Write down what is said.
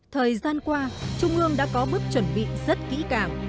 thời gian qua trung ương đã có bước chuẩn bị rất kỹ càng